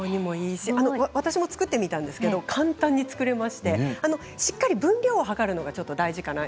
私も作ってみたんですけど簡単に作れましてしっかり分量を量るのが大事かな。